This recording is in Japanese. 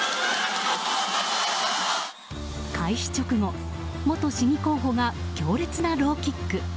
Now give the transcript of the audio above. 開始直後、元市議候補が強烈なローキック。